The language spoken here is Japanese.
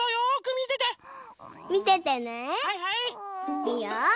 いくよ。